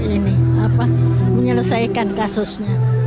ini apa menyelesaikan kasusnya